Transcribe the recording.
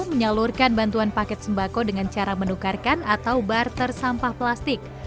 menyalurkan bantuan paket sembako dengan cara menukarkan atau barter sampah plastik